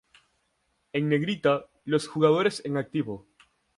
En negrita, los jugadores en activo.